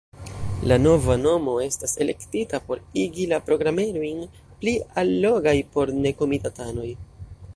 La nova nomo estas elektita por igi la programerojn pli allogaj por nekomitatanoj.